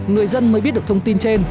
người dân mới biết được thông tin trên